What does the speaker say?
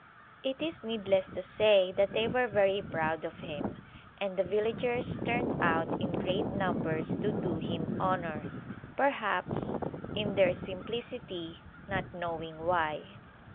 It is needless to say that they were very proud of him, and the villagers turned out in great numbers to do him honor, perhaps, in their simplicity, not knowing why.